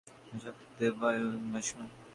নাসাপথ দিয়ে বায়ু সরাসরি বায়ুথলিতে যাতায়াত করতে পারে।